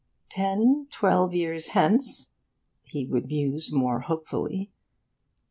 'Ten, twelve years hence ' he would muse more hopefully.